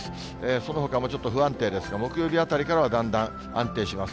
そのほかもちょっと不安定ですが、木曜日あたりからはだんだん安定します。